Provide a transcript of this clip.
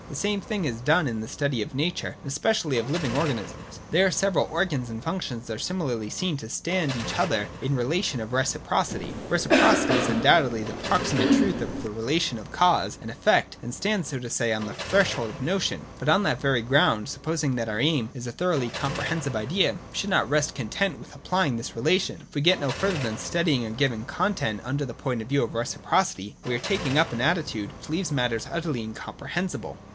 The same thing is done in the study of Nature, and especially of living organisms. There the several organs and functions are similarly seen to stand to each other in the relation of reciprocity. Reciprocity is un doubtedly the proximate truth of the relation of cause and effect, and stands, so to say, on the threshold of the notion ; but on that very ground, supposing that our aim is a thoroughly comprehensive idea, we should not rest content with applying this relation. If we get no further than study ing a given content under the point of view of reciprocity, we are taking up an attitude which leaves matters utterly incomprehensible.